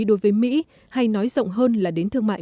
đối với mỹ hay nói rộng hơn là đến thương mại